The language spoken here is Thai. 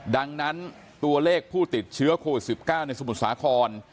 ดังนั้นตัวเลขผู้ติดเชื้อโควิด๑๙ในสมุทรสาคร